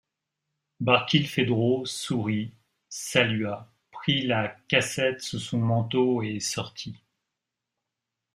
Barkilphedro sourit, salua, prit la cassette sous son manteau, et sortit.